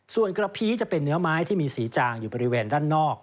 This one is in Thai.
ส่วนกระพีจะเป็นเนื้อไม้ที่มีสีจางอยู่บริเวณด้านนอก